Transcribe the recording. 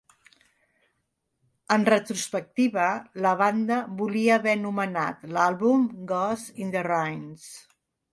En retrospectiva, la banda volia haver anomenat l'àlbum "Ghost in the Ruins".